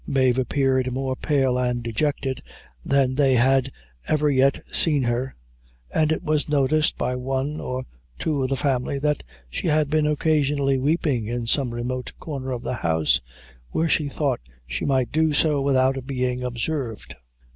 Mave appeared more pale and dejected than they had ever yet seen her, and it was noticed by one or two of the family, that she had been occasionally weeping in some remote corner of the house where she thought she might do so without being observed.